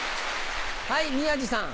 はい宮治さん。